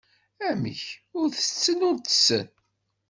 Amek, ur tetten ur tessen?